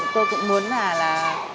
tôi cũng muốn là